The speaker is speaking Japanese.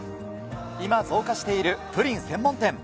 今、増加しているプリン専門店。